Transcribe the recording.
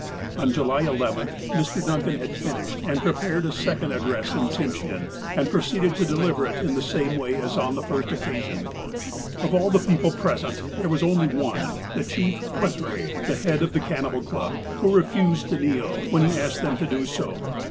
On July 11th, Mr. Duncau had finished and prepared a second address in Tsimshean, and proceeded to deliver it in the same way as on the first occasion. Of all the people present, there was only one, the Chief Quthray, the head of the cannibal club, who refused to kneel, when he asked them to do so.